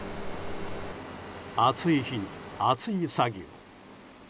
暑い日に、熱い作業。